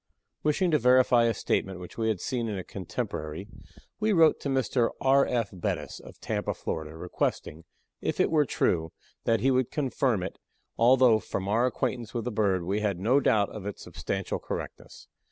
Wishing to verify a statement which we had seen in a contemporary, we wrote to Mr. R. F. Bettis, of Tampa, Florida, requesting, if it were true, that he would confirm it, although, from our acquaintance with the bird, we had no doubt of its substantial correctness.